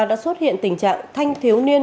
đã xuất hiện tình trạng thanh thiếu niên